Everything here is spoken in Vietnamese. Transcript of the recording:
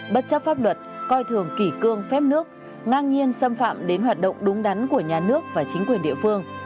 bất chấp pháp luật coi thường kỷ cương phép nước ngang nhiên xâm phạm đến hoạt động đúng đắn của nhà nước và chính quyền địa phương